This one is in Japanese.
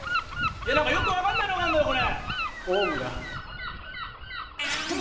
何かよく分かんないのがあんだよこれ。